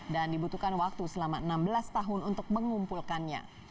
dan dibutuhkan waktu selama enam belas tahun untuk mengumpulkannya